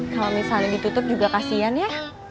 kalau misalnya ditutup juga kasian ya